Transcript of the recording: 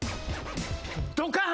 ドカーン！